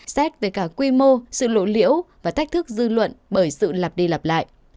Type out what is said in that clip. xét về cả quy mô sự lộ liễu và thách thức dư luận bởi sự lặp đi lặp lại